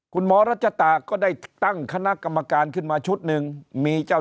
คุณหมอรัชตาก็ได้ตั้งคณะกรรมการขึ้นมาชุดหนึ่งมีเจ้า